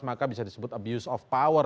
maka bisa disebut abuse of power